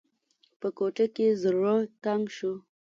په کوټه کې زړه تنګ شو.